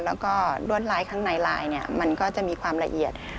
แล้วก็รวดลายข้างในลายมันก็จะมีความละเอียด